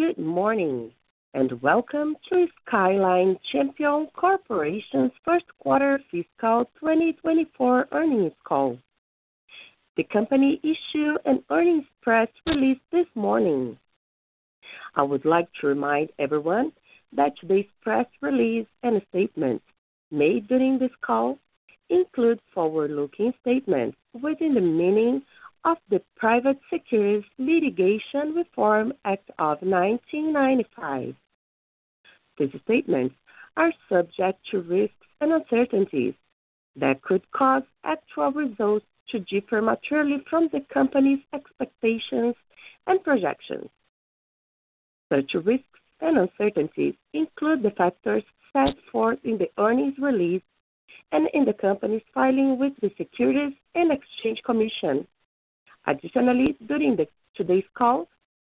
Good morning, and welcome to Skyline Champion Corporation's first quarter fiscal 2024 earnings call. The company issued an earnings press release this morning. I would like to remind everyone that today's press release and statements made during this call include forward-looking statements within the meaning of the Private Securities Litigation Reform Act of 1995. These statements are subject to risks and uncertainties that could cause actual results to differ materially from the company's expectations and projections. Such risks and uncertainties include the factors set forth in the earnings release and in the company's filing with the Securities and Exchange Commission. Additionally, during today's call,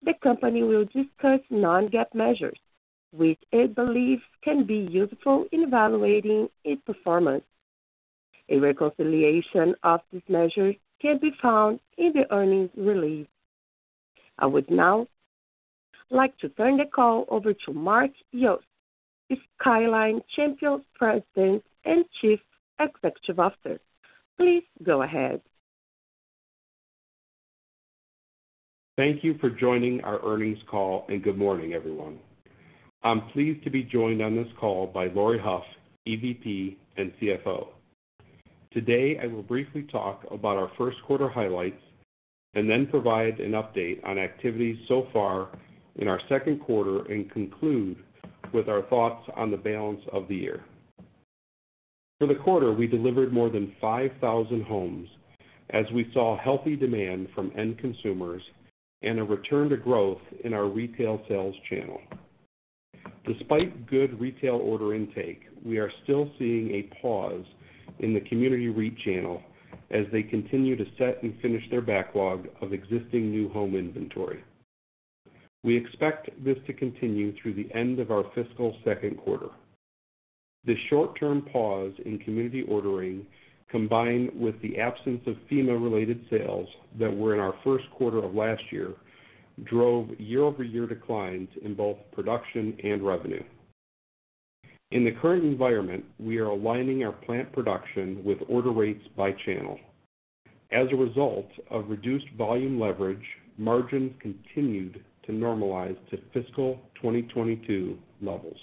the company will discuss non-GAAP measures, which it believes can be useful in evaluating its performance. A reconciliation of this measure can be found in the earnings release. I would now like to turn the call over to Mark Yost, Skyline Champion President and Chief Executive Officer. Please go ahead. Thank you for joining our earnings call. Good morning, everyone. I'm pleased to be joined on this call by Laurie Hough, EVP and CFO. Today, I will briefly talk about our first quarter highlights and then provide an update on activities so far in our second quarter and conclude with our thoughts on the balance of the year. For the quarter, we delivered more than 5,000 homes as we saw healthy demand from end consumers and a return to growth in our retail sales channel. Despite good retail order intake, we are still seeing a pause in the community REIT channel as they continue to set and finish their backlog of existing new home inventory. We expect this to continue through the end of our fiscal second quarter. This short-term pause in community ordering, combined with the absence of FEMA-related sales that were in our first quarter of last year, drove year-over-year declines in both production and revenue. In the current environment, we are aligning our plant production with order rates by channel. As a result of reduced volume leverage, margins continued to normalize to fiscal 2022 levels.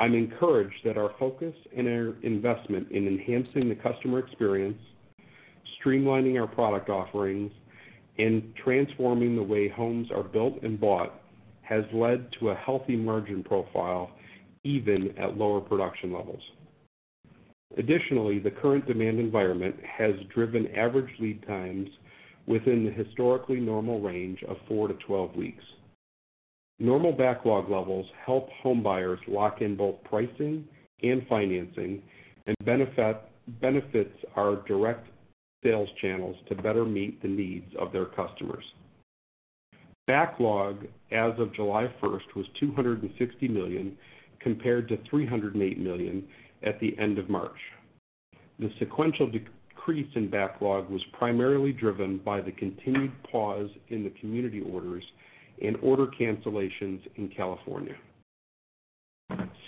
I'm encouraged that our focus and our investment in enhancing the customer experience, streamlining our product offerings, and transforming the way homes are built and bought, has led to a healthy margin profile, even at lower production levels. Additionally, the current demand environment has driven average lead times within the historically normal range of 4-12 weeks. Normal backlog levels help homebuyers lock in both pricing and financing, and benefit, benefits our direct sales channels to better meet the needs of their customers. Backlog as of July first was $260 million, compared to $308 million at the end of March. The sequential decrease in backlog was primarily driven by the continued pause in the community orders and order cancellations in California.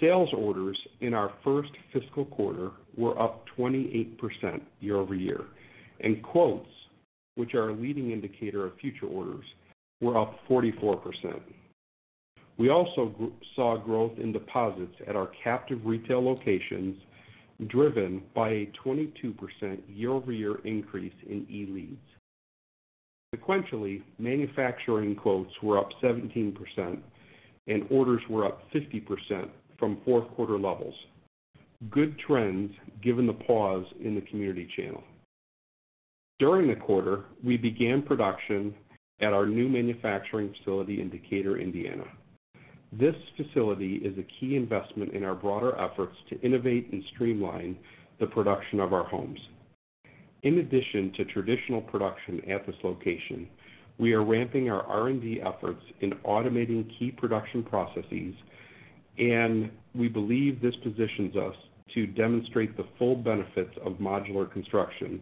Sales orders in our first fiscal quarter were up 28% year-over-year, and quotes, which are a leading indicator of future orders, were up 44%. We also saw growth in deposits at our captive retail locations, driven by a 22% year-over-year increase in e-leads. Sequentially, manufacturing quotes were up 17% and orders were up 50% from fourth quarter levels. Good trends, given the pause in the community channel. During the quarter, we began production at our new manufacturing facility in Decatur, Indiana. This facility is a key investment in our broader efforts to innovate and streamline the production of our homes. In addition to traditional production at this location, we are ramping our R&D efforts in automating key production processes, and we believe this positions us to demonstrate the full benefits of modular construction,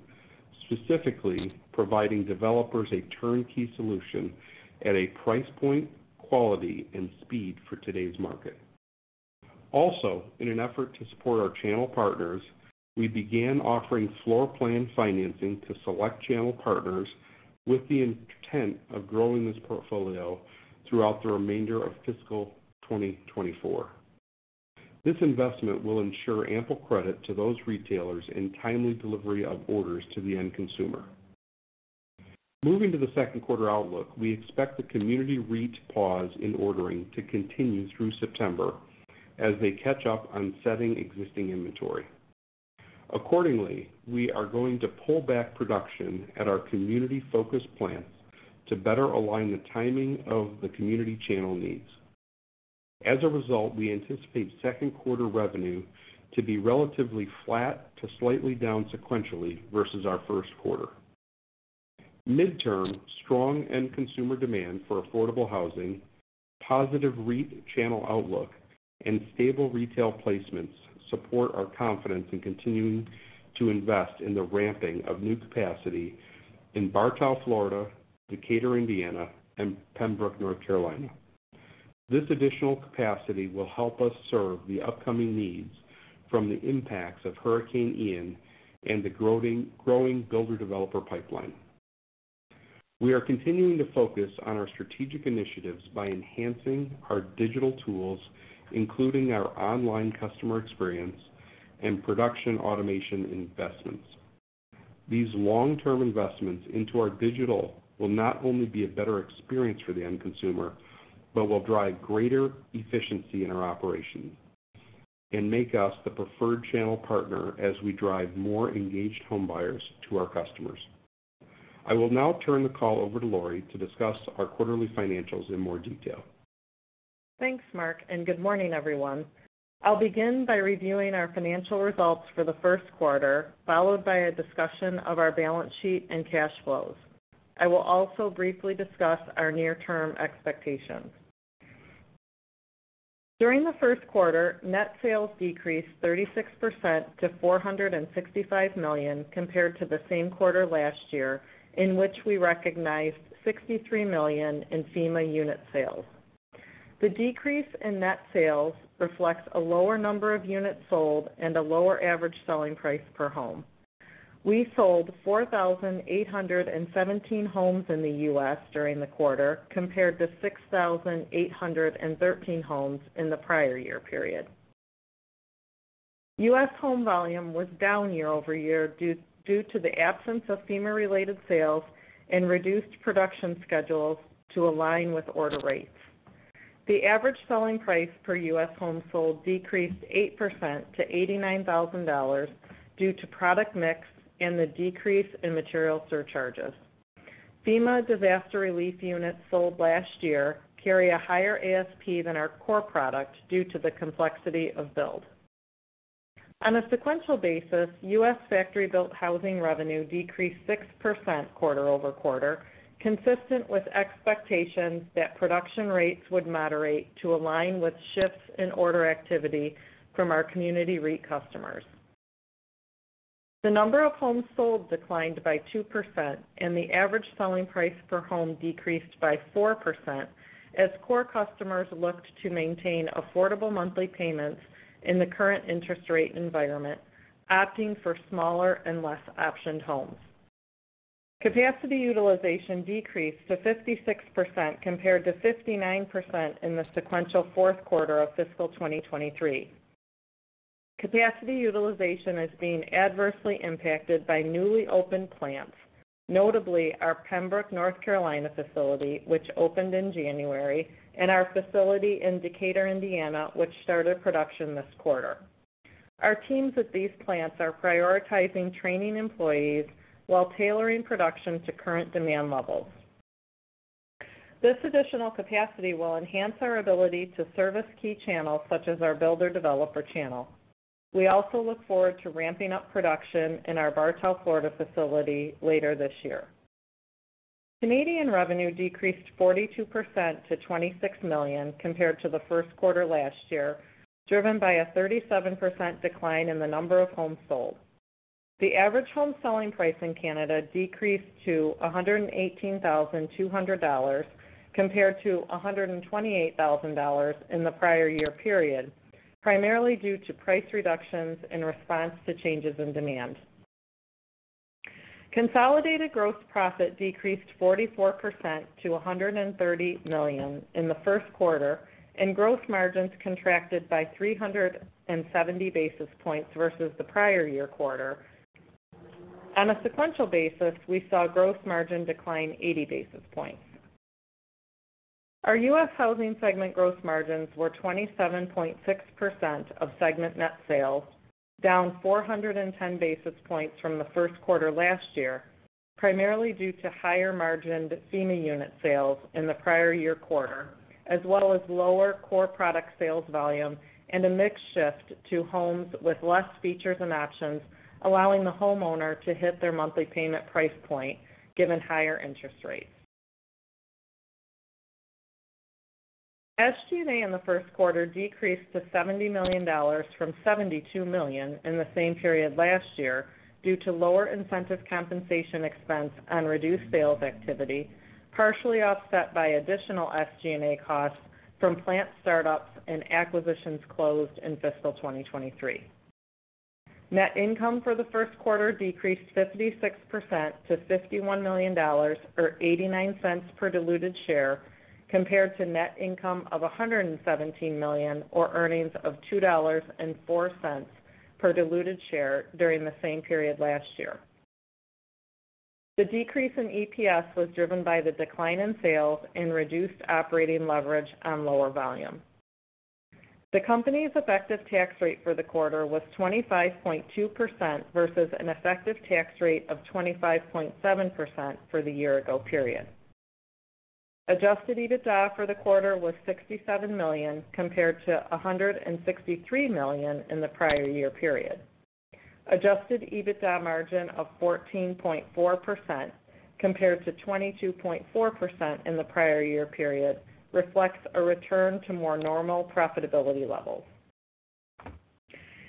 specifically providing developers a turnkey solution at a price point, quality, and speed for today's market. Also, in an effort to support our channel partners, we began offering floor plan financing to select channel partners with the intent of growing this portfolio throughout the remainder of fiscal 2024. This investment will ensure ample credit to those retailers and timely delivery of orders to the end consumer. Moving to the second quarter outlook, we expect the community REIT pause in ordering to continue through September as they catch up on setting existing inventory. Accordingly, we are going to pull back production at our community-focused plants to better align the timing of the community channel needs. As a result, we anticipate second quarter revenue to be relatively flat to slightly down sequentially versus our first quarter. Midterm, strong end consumer demand for affordable housing, positive REIT channel outlook, and stable retail placements support our confidence in continuing to invest in the ramping of new capacity in Bartow, Florida, Decatur, Indiana, and Pembroke, North Carolina. This additional capacity will help us serve the upcoming needs from the impacts of Hurricane Ian and the growing, growing builder developer pipeline. We are continuing to focus on our strategic initiatives by enhancing our digital tools, including our online customer experience and production automation investments. These long-term investments into our digital will not only be a better experience for the end consumer, but will drive greater efficiency in our operations and make us the preferred channel partner as we drive more engaged home buyers to our customers. I will now turn the call over to Laurie to discuss our quarterly financials in more detail. Thanks, Mark, and good morning, everyone. I'll begin by reviewing our financial results for the first quarter, followed by a discussion of our balance sheet and cash flows. I will also briefly discuss our near-term expectations. During the first quarter, net sales decreased 36% to $465 million compared to the same quarter last year, in which we recognized $63 million in FEMA unit sales. The decrease in net sales reflects a lower number of units sold and a lower average selling price per home. We sold 4,817 homes in the U.S. during the quarter, compared to 6,813 homes in the prior year period. U.S. home volume was down year-over-year, due to the absence of FEMA-related sales and reduced production schedules to align with order rates. The average selling price per U.S. home sold decreased 8% to $89,000 due to product mix and the decrease in material surcharges. FEMA disaster relief units sold last year carry a higher ASP than our core product due to the complexity of build. On a sequential basis, U.S. factory-built housing revenue decreased 6% quarter-over-quarter, consistent with expectations that production rates would moderate to align with shifts in order activity from our community REIT customers. The number of homes sold declined by 2%, and the average selling price per home decreased by 4%, as core customers looked to maintain affordable monthly payments in the current interest rate environment, opting for smaller and less optioned homes. Capacity utilization decreased to 56%, compared to 59% in the sequential fourth quarter of fiscal 2023. Capacity utilization is being adversely impacted by newly opened plants, notably our Pembroke, North Carolina, facility, which opened in January, and our facility in Decatur, Indiana, which started production this quarter. Our teams at these plants are prioritizing training employees while tailoring production to current demand levels. This additional capacity will enhance our ability to service key channels such as our builder developer channel. We also look forward to ramping up production in our Bartow, Florida, facility later this year. Canadian revenue decreased 42% to $26 million compared to the first quarter last year, driven by a 37% decline in the number of homes sold. The average home selling price in Canada decreased to $118,200 compared to $128,000 in the prior year period, primarily due to price reductions in response to changes in demand. Consolidated gross profit decreased 44% to $130 million in the first quarter, and gross margins contracted by 370 basis points versus the prior year quarter. On a sequential basis, we saw gross margin decline 80 basis points. Our U.S. housing segment gross margins were 27.6% of segment net sales, down 410 basis points from the first quarter last year, primarily due to higher-margined FEMA unit sales in the prior year quarter, as well as lower core product sales volume and a mix shift to homes with less features and options, allowing the homeowner to hit their monthly payment price point, given higher interest rates. SG&A in the first quarter decreased to $70 million from $72 million in the same period last year due to lower incentive compensation expense on reduced sales activity, partially offset by additional SG&A costs from plant startups and acquisitions closed in fiscal 2023. Net income for the first quarter decreased 56% to $51 million, or $0.89 per diluted share, compared to net income of $117 million, or earnings of $2.04 per diluted share during the same period last year. The decrease in EPS was driven by the decline in sales and reduced operating leverage on lower volume. The company's effective tax rate for the quarter was 25.2% versus an effective tax rate of 25.7% for the year ago period. Adjusted EBITDA for the quarter was $67 million, compared to $163 million in the prior year period. Adjusted EBITDA margin of 14.4% compared to 22.4% in the prior year period, reflects a return to more normal profitability levels.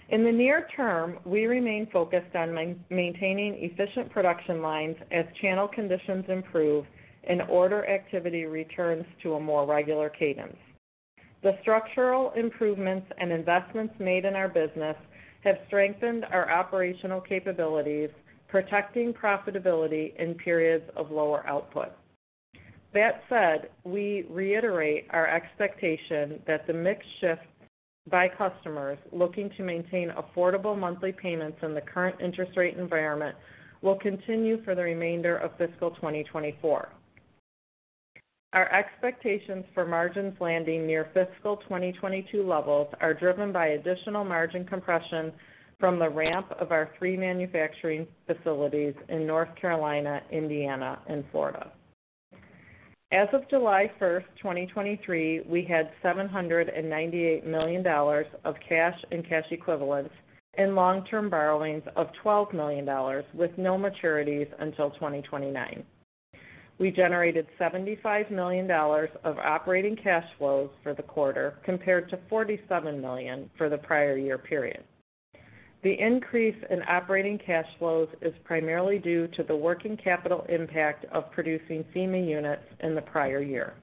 In the near term, we remain focused on maintaining efficient production lines as channel conditions improve and order activity returns to a more regular cadence. The structural improvements and investments made in our business have strengthened our operational capabilities, protecting profitability in periods of lower output. That said, we reiterate our expectation that the mix shift by customers looking to maintain affordable monthly payments in the current interest rate environment will continue for the remainder of fiscal 2024. Our expectations for margins landing near fiscal 2022 levels are driven by additional margin compression from the ramp of our three manufacturing facilities in North Carolina, Indiana, and Florida. As of July 1, 2023, we had $798 million of cash and cash equivalents and long-term borrowings of $12 million, with no maturities until 2029. We generated $75 million of operating cash flows for the quarter, compared to $47 million for the prior year period. The increase in operating cash flows is primarily due to the working capital impact of producing FEMA units in the prior year.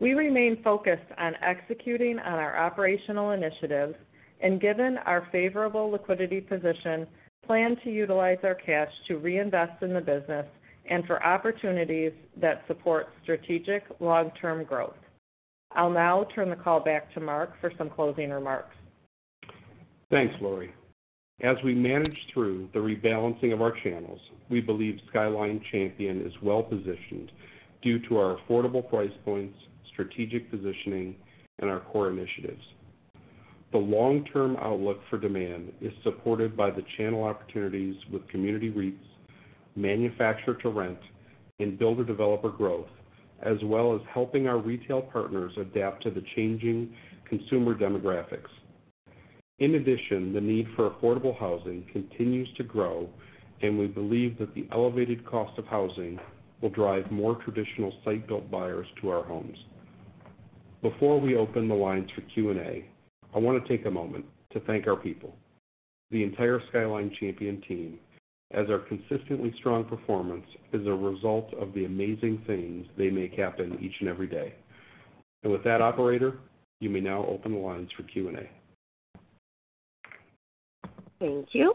We remain focused on executing on our operational initiatives, and given our favorable liquidity position, plan to utilize our cash to reinvest in the business and for opportunities that support strategic long-term growth. I'll now turn the call back to Mark for some closing remarks. Thanks, Laurie. As we manage through the rebalancing of our channels, we believe Skyline Champion is well positioned due to our affordable price points, strategic positioning, and our core initiatives. The long-term outlook for demand is supported by the channel opportunities with community REITs, manufacture to rent, and builder-developer growth, as well as helping our retail partners adapt to the changing consumer demographics. In addition, the need for affordable housing continues to grow, and we believe that the elevated cost of housing will drive more traditional site-built buyers to our homes. Before we open the lines for Q&A, I want to take a moment to thank our people, the entire Skyline Champion team, as our consistently strong performance is a result of the amazing things they make happen each and every day. With that, operator, you may now open the lines for Q&A. Thank you.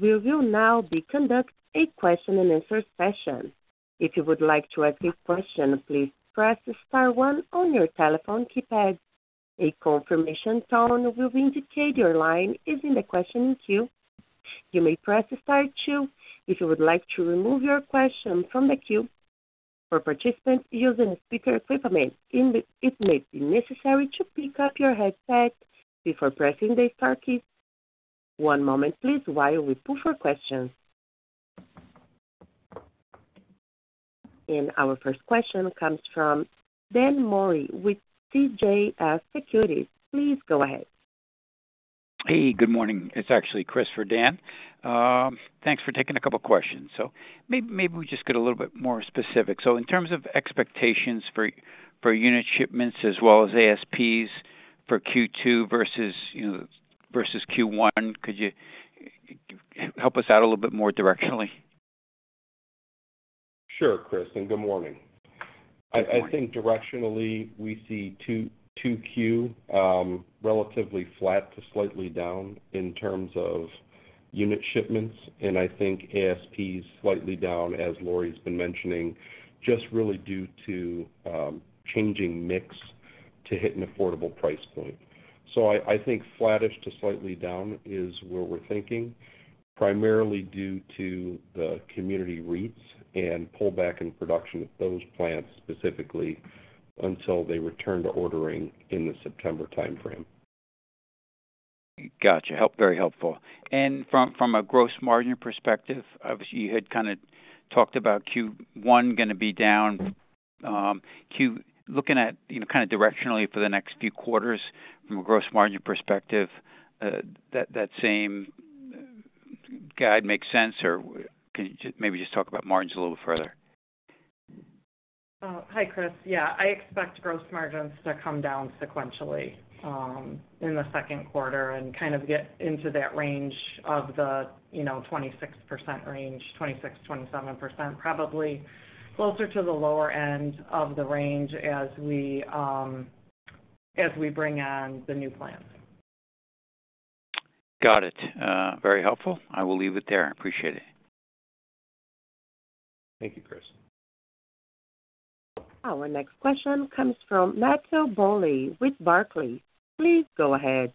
We will now be conduct a question-and-answer session. If you would like to ask a question, please press star one on your telephone keypad. A confirmation tone will indicate your line is in the questioning queue. You may press star two if you would like to remove your question from the queue. For participants using speaker equipment, it may be necessary to pick up your headset before pressing the star key. One moment please, while we pull for questions. Our first question comes from Daniel Moore with CJS Securities. Please go ahead. Hey, good morning. It's actually Chris for Dan. Thanks for taking a couple questions. Maybe we just get a little bit more specific. In terms of expectations for, for unit shipments as well as ASPs for Q2 versus, you know, versus Q1, could you help us out a little bit more directionally? Sure, Chris, and good morning. Good morning. I, I think directionally we see 2Q relatively flat to slightly down in terms of unit shipments, and I think ASP is slightly down, as Laurie's been mentioning, just really due to changing mix to hit an affordable price point. I, I think flattish to slightly down is where we're thinking, primarily due to the community REITs and pullback in production at those plants specifically, until they return to ordering in the September timeframe. Gotcha. Very helpful. From, from a gross margin perspective, obviously, you had kind of talked about Q1 going to be down. Looking at, you know, kind of directionally for the next few quarters from a gross margin perspective, that, that same guide makes sense, or can you just maybe just talk about margins a little further? Hi, Chris. Yeah, I expect gross margins to come down sequentially in the second quarter and kind of get into that range of the, you know, 26% range, 26%-27%, probably closer to the lower end of the range as we as we bring on the new plans. Got it. Very helpful. I will leave it there. Appreciate it. Thank you, Chris. Our next question comes from Matthew Bouley with Barclays. Please go ahead.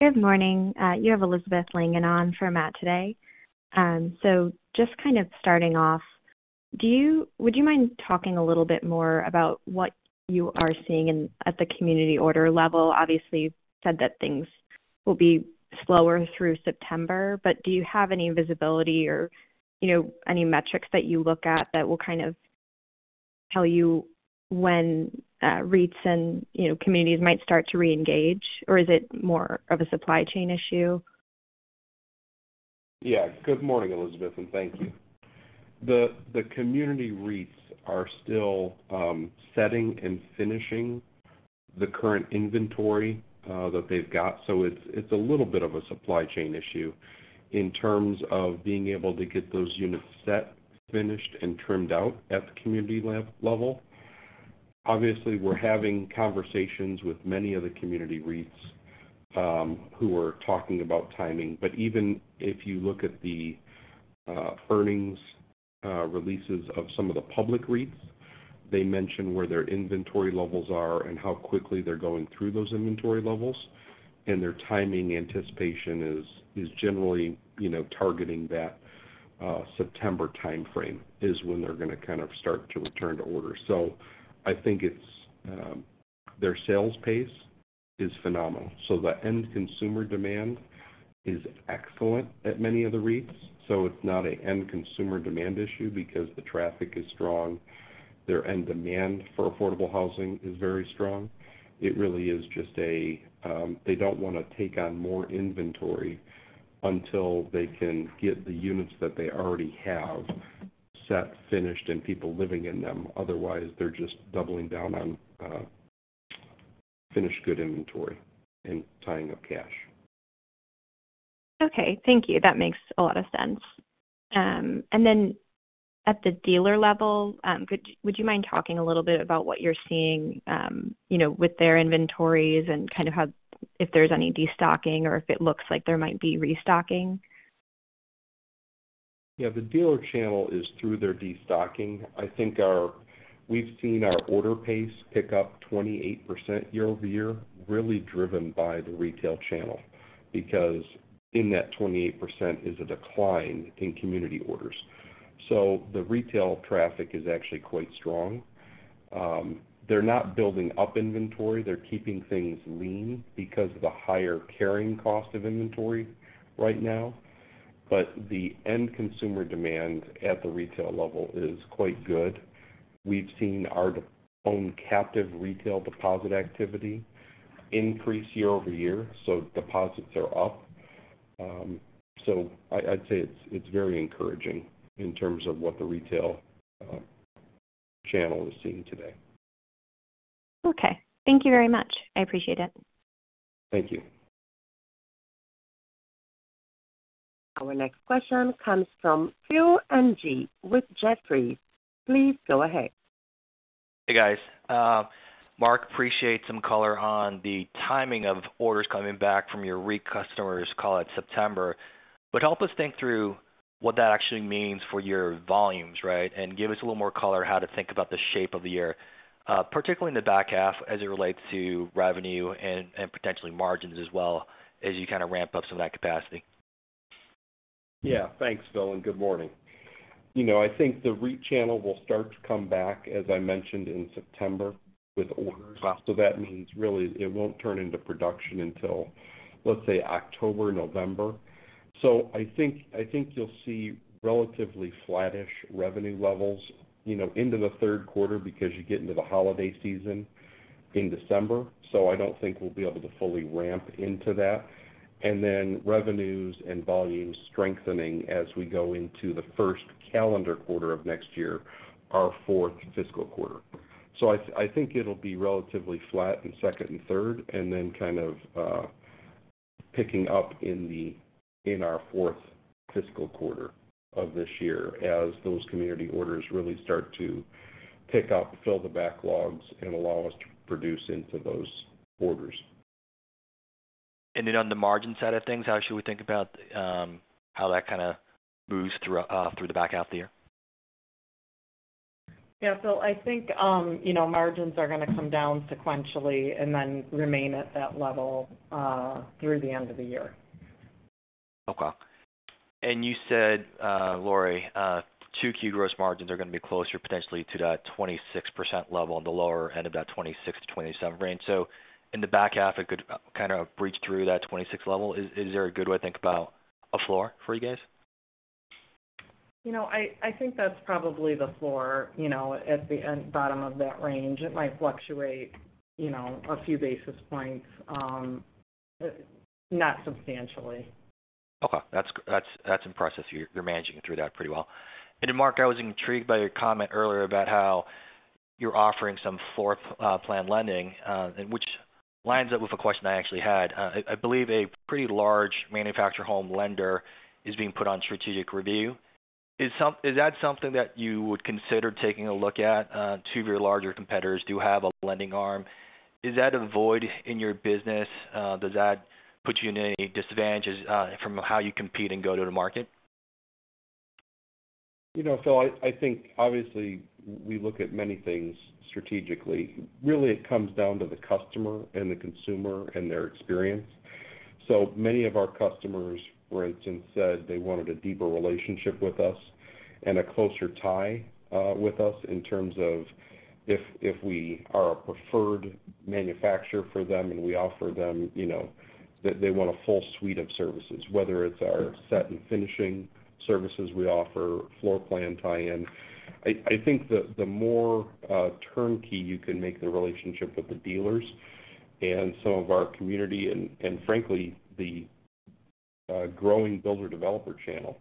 Good morning, you have Elizabeth Langan on for Matt today. Just starting off, would you mind talking a little bit more about what you are seeing in, at the community order level? Obviously, you've said that things will be slower through September, but do you have any visibility or, you know, any metrics that you look at that will tell you when REITs and, you know, communities might start to reengage? Is it more of a supply chain issue? Yeah. Good morning, Elizabeth, and thank you. The community REITs are still setting and finishing the current inventory that they've got, so it's a little bit of a supply chain issue in terms of being able to get those units set, finished, and trimmed out at the community level. Obviously, we're having conversations with many of the community REITs who are talking about timing. Even if you look at the earnings releases of some of the public REITs, they mention where their inventory levels are and how quickly they're going through those inventory levels, and their timing anticipation is generally, you know, targeting that September timeframe, is when they're going to kind of start to return to order. I think it's their sales pace is phenomenal. The end consumer demand is excellent at many of the REITs, so it's not a end consumer demand issue because the traffic is strong. Their end demand for affordable housing is very strong. It really is just a they don't want to take on more inventory until they can get the units that they already have set, finished, and people living in them. Otherwise, they're just doubling down on finished good inventory and tying up cash. Okay. Thank you. That makes a lot of sense. Then at the dealer level, would you mind talking a little bit about what you're seeing, you know, with their inventories and kind of how, if there's any destocking or if it looks like there might be restocking? Yeah, the dealer channel is through their destocking. I think our-- we've seen our order pace pick up 28% year over year, really driven by the retail channel, because in that 28% is a decline in community orders. The retail traffic is actually quite strong. They're not building up inventory. They're keeping things lean because of the higher carrying cost of inventory right now. The end consumer demand at the retail level is quite good. We've seen our own captive retail deposit activity increase year over year, so deposits are up. I, I'd say it's, it's very encouraging in terms of what the retail channel is seeing today. Okay. Thank you very much. I appreciate it. Thank you. Our next question comes from Philip Ng with Jefferies. Please go ahead. Hey, guys. Mark, appreciate some color on the timing of orders coming back from your REIT customers, call it September. Help us think through what that actually means for your volumes, right? Give us a little more color how to think about the shape of the year, particularly in the back half as it relates to revenue and, and potentially margins as well, as you kind of ramp up some of that capacity. Yeah. Thanks, Phil. Good morning. You know, I think the REIT channel will start to come back, as I mentioned, in September with orders. That means really it won't turn into production until, let's say, October, November. I think, I think you'll see relatively flattish revenue levels, you know, into the third quarter because you get into the holiday season in December, so I don't think we'll be able to fully ramp into that. Then revenues and volumes strengthening as we go into the first calendar quarter of next year, our fourth fiscal quarter. I, I think it'll be relatively flat in second and third, and then kind of picking up in our fourth fiscal quarter of this year, as those community orders really start to pick up, fill the backlogs, and allow us to produce into those orders. On the margin side of things, how should we think about how that kind of moves through through the back half of the year? Yeah, Phil, I think, you know, margins are going to come down sequentially and then remain at that level, through the end of the year. Okay. You said, Laurie, two key gross margins are going to be closer potentially to that 26% level, on the lower end of that 26%-27% range. So in the back half, it could kind of breach through that 26 level. Is, is there a good way to think about a floor for you guys? You know, I, I think that's probably the floor, you know, at the end, bottom of that range. It might fluctuate, you know, a few basis points, but not substantially. Okay. That's, that's, that's in process. You're, you're managing through that pretty well. And then, Mark, I was intrigued by your comment earlier about how you're offering some floor plan financing, and which lines up with a question I actually had. I, I believe a pretty large manufactured home lender is being put on strategic review. Is that something that you would consider taking a look at? Two of your larger competitors do have a lending arm. Is that a void in your business? Does that put you in any disadvantages, from how you compete and go to the market? You know, Phil, I, I think obviously we look at many things strategically. Really, it comes down to the customer and the consumer and their experience. So many of our customers, for instance, said they wanted a deeper relationship with us and a closer tie with us in terms of, if, if we are a preferred manufacturer for them and we offer them, you know, they, they want a full suite of services, whether it's our set and finishing services we offer, floor plan tie-in. I, I think the, the more turnkey you can make the relationship with the dealers and some of our community and, and frankly, the growing builder developer channel,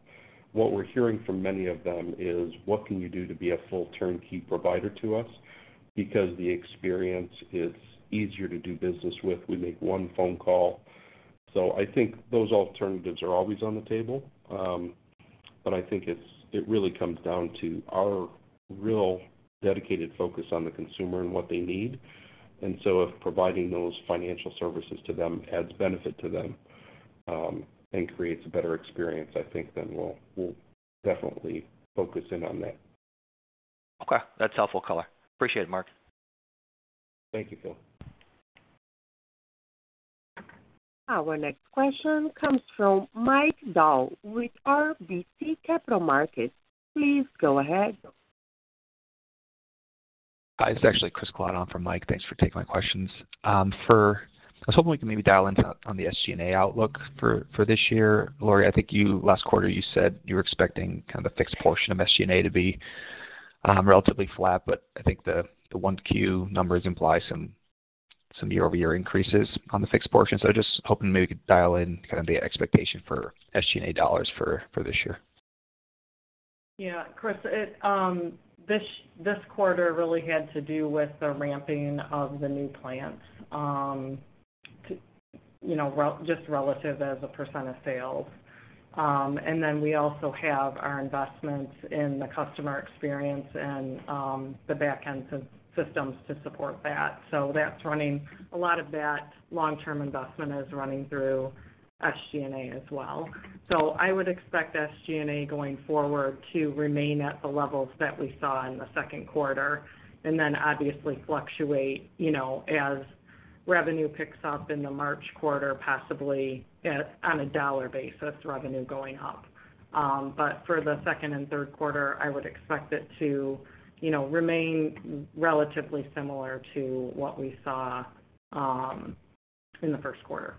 what we're hearing from many of them is: "What can you do to be a full turnkey provider to us? Because the experience, it's easier to do business with. We make one phone call." I think those alternatives are always on the table. I think it really comes down to our real dedicated focus on the consumer and what they need. If providing those financial services to them adds benefit to them, and creates a better experience, I think then we'll, we'll definitely focus in on that. Okay. That's helpful color. Appreciate it, Mark. Thank you, Phil. Our next question comes from Michael Dahl with RBC Capital Markets. Please go ahead. Hi, this is actually Chris Kalata for Mike. Thanks for taking my questions. I was hoping we could maybe dial into on the SG&A outlook for this year. Laurie, I think last quarter, you said you were expecting kind of a fixed portion of SG&A to be relatively flat, but I think the 1 Q numbers imply some year-over-year increases on the fixed portion. I just hoping maybe you could dial in kind of the expectation for SG&A dollars for this year. Yeah, Chris, it, this, this quarter really had to do with the ramping of the new plants, to, you know, just relative as a % of sales. Then we also have our investments in the customer experience and, the back-end systems to support that. That's running. A lot of that long-term investment is running through SG&A as well. I would expect SG&A, going forward, to remain at the levels that we saw in the second quarter, and then obviously fluctuate, you know, as revenue picks up in the March quarter, possibly at, on a dollar basis, revenue going up. For the second and third quarter, I would expect it to, you know, remain relatively similar to what we saw, in the first quarter.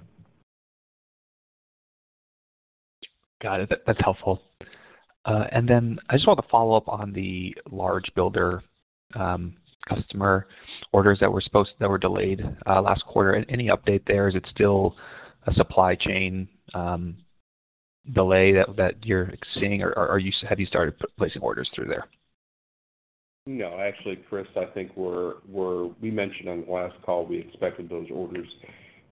Got it. That, that's helpful. Then I just want to follow up on the large builder, customer orders that were delayed, last quarter. Any update there? Is it still a supply chain, delay that, that you're seeing, or, or have you started placing orders through there? No, actually, Chris, I think we're, we mentioned on the last call, we expected those orders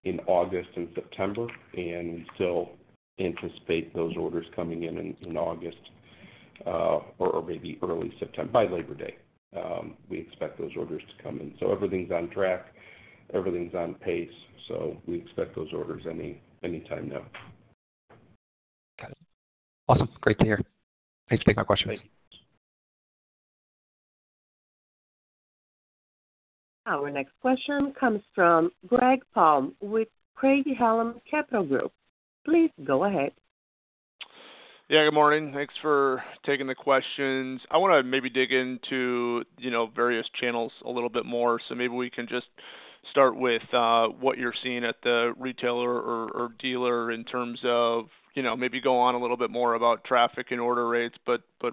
in August and September, and we still anticipate those orders coming in, in August, or, or maybe early September, by Labor Day. We expect those orders to come in. Everything's on track, everything's on pace, so we expect those orders anytime now. Got it. Awesome, great to hear. Thanks for taking my questions. Thank you. Our next question comes from Greg Palm with Craig-Hallum Capital Group. Please go ahead. Good morning. Thanks for taking the questions. I wanna maybe dig into, you know, various channels a little bit more. Maybe we can just start with what you're seeing at the retailer or, or dealer in terms of, you know, maybe go on a little bit more about traffic and order rates.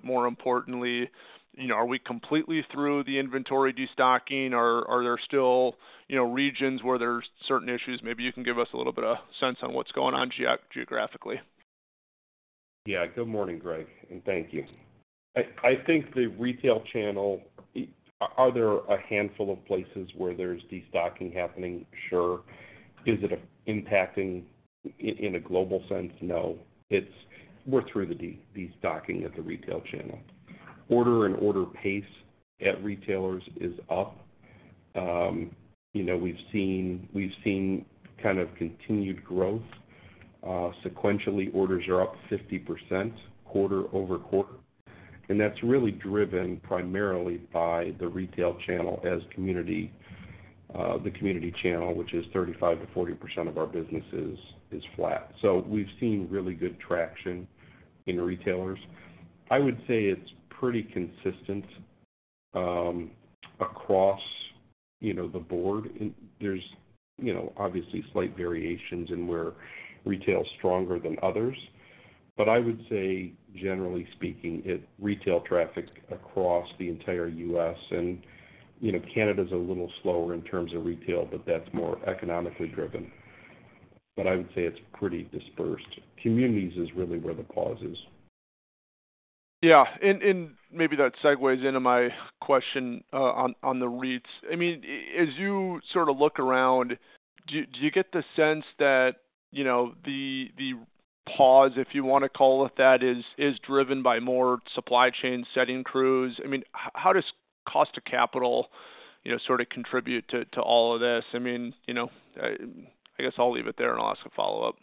More importantly, you know, are we completely through the inventory destocking, or are there still, you know, regions where there's certain issues? Maybe you can give us a little bit of sense on what's going on geographically. Yeah. Good morning, Greg. Thank you. I, I think the retail channel. Are there a handful of places where there's destocking happening? Sure. Is it impacting in, in a global sense? No. We're through the destocking at the retail channel. Order and order pace at retailers is up. You know, we've seen kind of continued growth. Sequentially, orders are up 50% quarter-over-quarter, and that's really driven primarily by the retail channel as community, the community channel, which is 35%-40% of our businesses, is flat. We've seen really good traction in retailers. I would say it's pretty consistent, across, you know, the board. There's, you know, obviously slight variations in where retail is stronger than others. I would say, generally speaking, retail traffic across the entire U.S., and, you know, Canada is a little slower in terms of retail, but that's more economically driven. I would say it's pretty dispersed. Communities is really where the pause is. Yeah, and maybe that segues into my question, on, on the REITs. I mean, as you sort of look around, do, do you get the sense that, you know, the, the pause, if you want to call it that, is, is driven by more supply chain setting crews? I mean, h- how does cost of capital, you know, sort of contribute to, to all of this? I mean, you know, I guess I'll leave it there, and I'll ask a follow-up.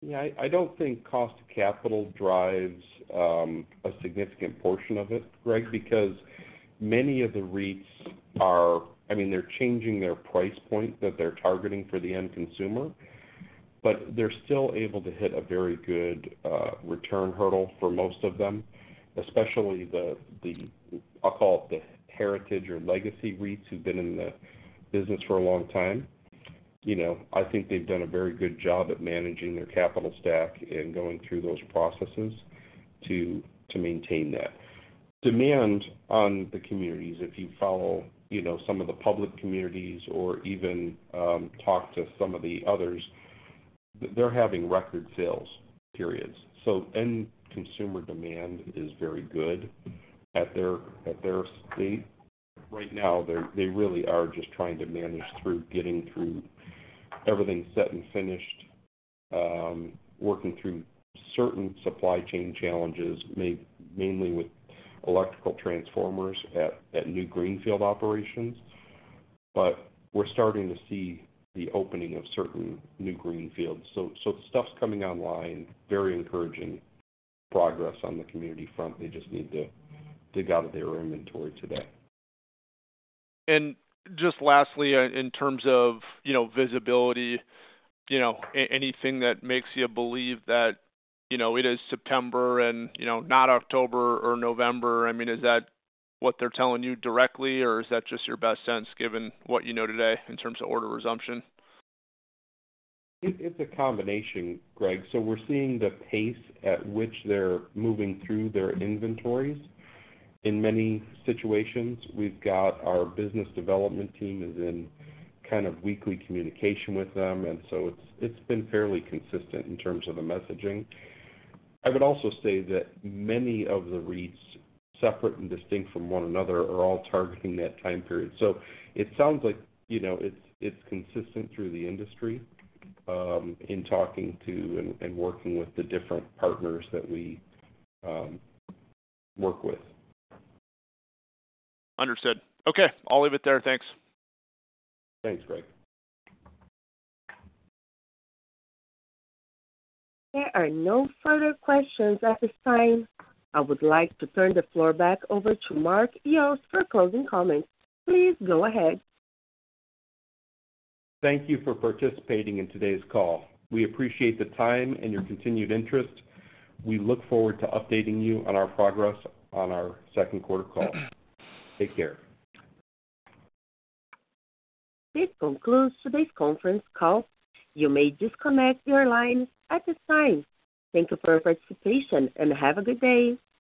Yeah, I don't think cost of capital drives, a significant portion of it, Greg, because many of the REITs I mean, they're changing their price point that they're targeting for the end consumer. They're still able to hit a very good, return hurdle for most of them, especially the, I'll call it, the heritage or legacy REITs who've been in the business for a long time. You know, I think they've done a very good job at managing their capital stack and going through those processes to, to maintain that. Demand on the communities, if you follow, you know, some of the public communities or even, talk to some of the others, they're having record sales periods. End consumer demand is very good at their state. Right now, they, they really are just trying to manage through getting through everything set and finished, working through certain supply chain challenges, main- mainly with electrical transformers at, at new greenfield operations. We're starting to see the opening of certain new greenfields. The stuff's coming online, very encouraging progress on the community front. They just need to dig out of their inventory today. Just lastly, in terms of, you know, visibility, you know, anything that makes you believe that, you know, it is September and, you know, not October or November, I mean, is that what they're telling you directly, or is that just your best sense, given what you know today in terms of order resumption? It's, it's a combination, Greg. We're seeing the pace at which they're moving through their inventories. In many situations, we've got our business development team is in kind of weekly communication with them, so it's, it's been fairly consistent in terms of the messaging. I would also say that many of the REITs, separate and distinct from one another, are all targeting that time period. It sounds like, you know, it's, it's consistent through the industry, in talking to and working with the different partners that we work with. Understood. Okay, I'll leave it there. Thanks. Thanks, Greg. There are no further questions at this time. I would like to turn the floor back over to Mark Yost for closing comments. Please go ahead. Thank you for participating in today's call. We appreciate the time and your continued interest. We look forward to updating you on our progress on our second quarter call. Take care. This concludes today's conference call. You may disconnect your lines at this time. Thank you for your participation, and have a good day.